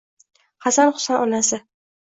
Hasan-Husan onasi